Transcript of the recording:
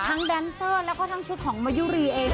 แดนเซอร์แล้วก็ทั้งชุดของมายุรีเอง